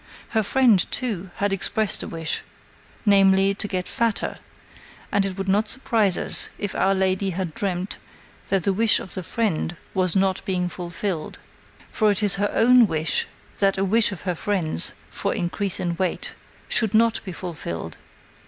Her friend, too, had expressed a wish, namely, to get fatter, and it would not surprise us if our lady had dreamt that the wish of the friend was not being fulfilled. For it is her own wish that a wish of her friend's for increase in weight should not be fulfilled.